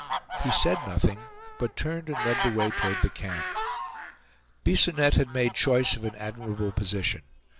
He said nothing, but turned and led the way toward the camp. Bisonette had made choice of an admirable position.